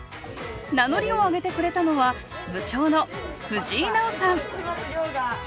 名乗りを上げてくれたのは部長の藤井渚央さん